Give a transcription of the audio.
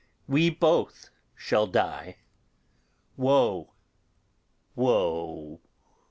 We BoTH ShaLL DyE, WoE, WoE.